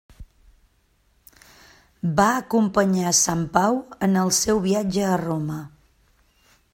Va acompanyar Sant Pau en el seu viatge a Roma.